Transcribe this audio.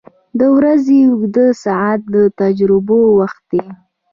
• د ورځې اوږده ساعته د تجربو وخت دی.